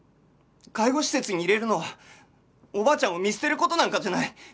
介護施設に入れるのはおばあちゃんを見捨てる事なんかじゃない！